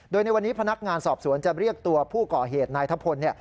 โดยในวันนี้พนักงานสอบสวนจะเรียกตัวผู้ก่อเหตุนายทะพล